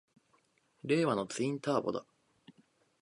令和のツインターボだ！